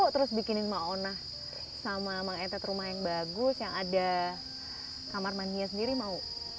terus bikinin mauna sama mang etet rumah yang bagus yang ada kamar mandinya sendiri mau